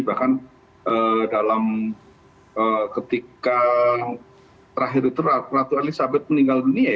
bahkan dalam ketika terakhir itu ratu elizabeth meninggal dunia